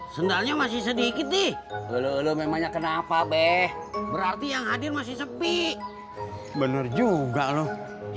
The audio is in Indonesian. sendalnya masih sedikit deh memangnya kenapa beh berarti yang hadir masih sepi bener juga loh